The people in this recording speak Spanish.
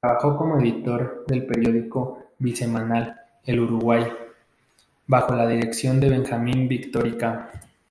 Trabajó como editor del periódico bisemanal "El Uruguay", bajo la dirección de Benjamín Victorica.